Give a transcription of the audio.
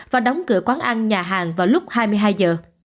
và đóng cửa quán ăn nhà hàng vào lúc hai mươi hai giờ